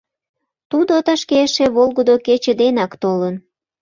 Тудо тышке эше волгыдо кече денак толын.